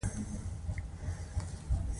ډیری خلک په کلیو کې ژوند کوي.